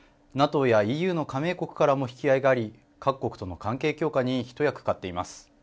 ＮＡＴＯやＥＵの加盟国からも引き合いがあり各国との関係強化に一役買っています。